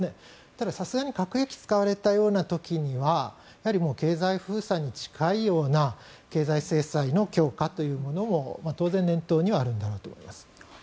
ただ、さすがに核兵器を使われたような時にはやはり経済封鎖に近いような経済制裁の強化というものも当然、念頭にはあるんだろうとは思います。